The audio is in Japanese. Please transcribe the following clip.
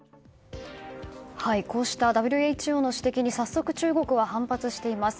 こうしたＷＨＯの指摘に早速中国は反発しています。